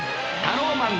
タローマン！